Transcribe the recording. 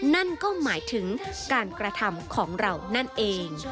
นั่นก็หมายถึงการกระทำของเรานั่นเอง